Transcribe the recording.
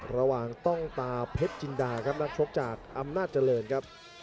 ระหว่างต้องตาเพชรจินดาครับนักชกจากอำนาจเจริญครับ